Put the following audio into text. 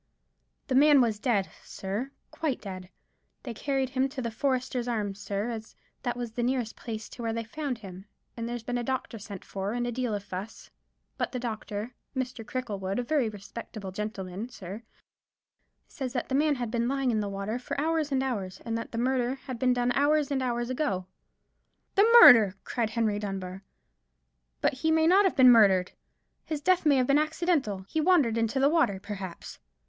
"The man was dead, sir; quite dead. They carried him to the Foresters' Arms, sir, as that was the nearest place to where they found him; and there's been a doctor sent for, and a deal of fuss: but the doctor—Mr. Cricklewood, a very respectable gentleman, sir—says that the man had been lying in the water hours and hours, and that the murder had been done hours and hours ago." "The murder!" cried Henry Dunbar; "but he may not have been murdered! His death may have been accidental. He wandered into the water, perhaps."